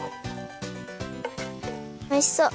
おいしそう。